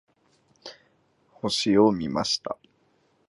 星を見ました。